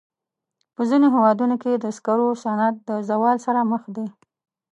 په ځینو هېوادونو کې د سکرو صنعت د زوال سره مخ دی.